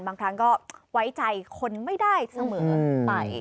บางครั้งก็ไว้ใจคนไม่ได้เสมอไป